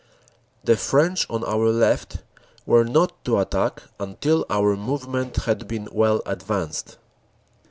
The French on our left were not to attack until our move ment had been well advanced.